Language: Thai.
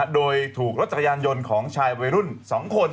โดยถูกรถจักรยานยนต์ของชายวัยรุ่น๒คน